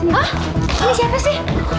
hah ini siapa sih